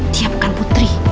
dia bukan putri